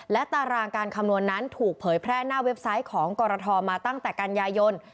และตารางการคำนวณนั้นถูกเผยแพร่หน้าเว็บไซต์ของกรทมาตั้งแต่กันยายน